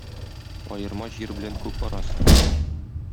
Аерма җир белән күк арасы.